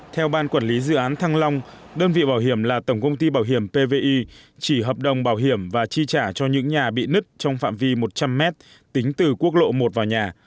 theo ban quản lý dự án thăng long đơn vị bảo hiểm là tổng công ty bảo hiểm pvi chỉ hợp đồng bảo hiểm và chi trả cho những nhà bị nứt trong phạm vi một trăm linh m tính từ quốc lộ một vào nhà